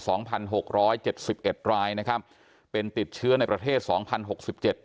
พันหกร้อยเจ็ดสิบเอ็ดรายนะครับเป็นติดเชื้อในประเทศสองพันหกสิบเจ็ด